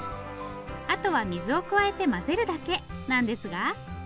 あとは水を加えて混ぜるだけなんですが。